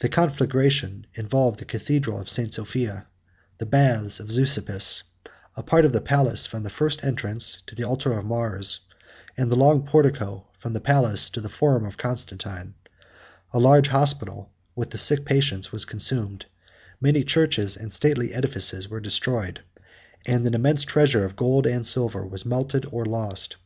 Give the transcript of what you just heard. The conflagration involved the cathedral of St. Sophia, the baths of Zeuxippus, a part of the palace, from the first entrance to the altar of Mars, and the long portico from the palace to the forum of Constantine: a large hospital, with the sick patients, was consumed; many churches and stately edifices were destroyed and an immense treasure of gold and silver was either melted or lost.